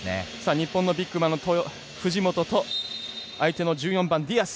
日本のビッグマンの藤本と相手の１４番ディアス。